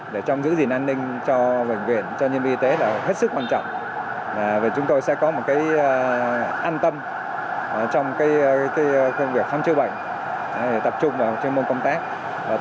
đối với các bệnh viện kinh cách này hết sức có ý nghĩa